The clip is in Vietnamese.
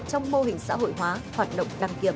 trong mô hình xã hội hóa hoạt động đăng kiểm